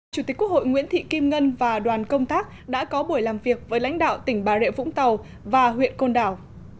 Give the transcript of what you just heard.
chủ tịch quốc hội nguyễn thị kim ngân và đoàn công tác đã có buổi làm việc với lãnh đạo tỉnh bà rịa vũng tàu và huyện côn đảo